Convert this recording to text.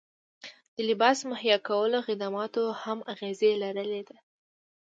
د لباس مهیا کولو خدماتو هم اغیزه لرلې ده